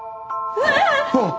うわっ！